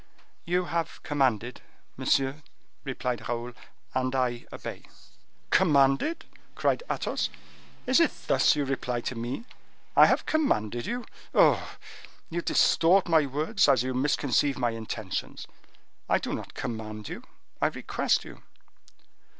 "You have commanded, monsieur," replied Raoul, "and I obey." "Commanded!" cried Athos. "Is it thus you reply to me? I have commanded you! Oh! you distort my words as you misconceive my intentions. I do not command you; I request you."